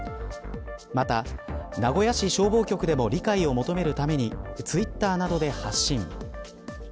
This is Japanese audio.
また、名古屋市消防局でも理解を求めるためにツイッターなどで発信。